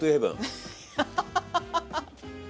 ハハハハッ！